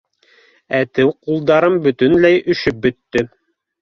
Әтеү ҡулдарым бөтөнләй өшөп бөттө.